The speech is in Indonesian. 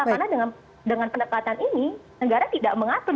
karena dengan pendekatan ini negara tidak mengatur